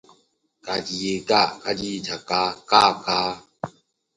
He appears in the music video for the Oleander song "Boys Don't Cry".